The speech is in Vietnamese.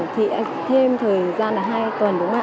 thì thêm thời gian là hai tuần